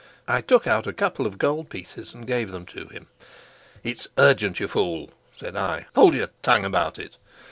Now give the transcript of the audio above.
I took out a couple of gold pieces and gave them to him. "It's urgent, you fool," said I. "Hold your tongue about it."